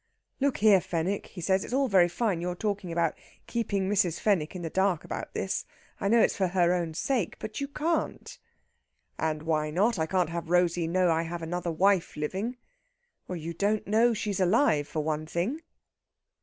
"Look here, Fenwick," he says. "It's all very fine your talking about keeping Mrs. Fenwick in the dark about this. I know it's for her own sake but you can't." "And why not? I can't have Rosey know I have another wife living...." "You don't know she's alive, for one thing!"